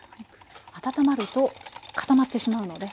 温まると固まってしまうので。